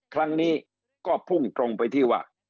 ครั้งนี้ก็พุ่งตรงไปที่ว่า